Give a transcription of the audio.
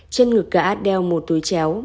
trên ngực cả đeo một túi chéo